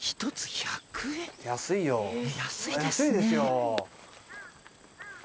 安いですよ。